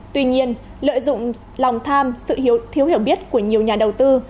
tuy nhiên lợi dụng lòng tham sự thiếu hiểu biết của nhiều nhà đầu tư